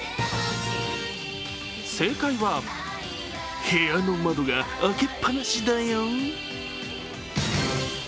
正解は部屋の窓が開けっ放しだよ。